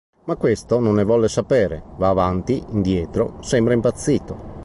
Ma questo non ne vuol sapere: va avanti, indietro, sembra impazzito.